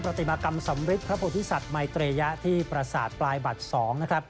ประติมากรรมสำริกพระพุทธศัตริย์มัยเตรยะที่ประสาทปลายบัตร๒